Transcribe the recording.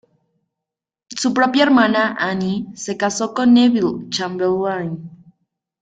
Su propia hermana Annie se casó con Neville Chamberlain.